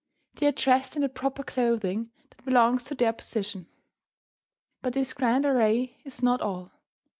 They are dressed in the proper clothing that belongs to their position. But this grand array is not all.